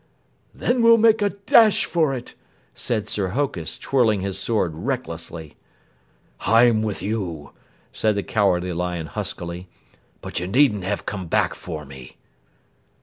"Then we'll make a dash for it!" said Sir Hokus, twirling his sword recklessly. "I'm with you," said the Cowardly Lion huskily, "but you needn't have come back for me."